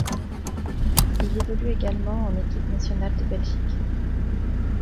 Il évolue également en équipe nationale de Belgique.